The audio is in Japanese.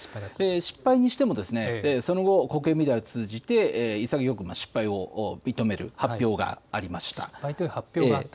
失敗にしても、その後、国営メディアを通じて、潔く失敗を認める失敗という発表があったと。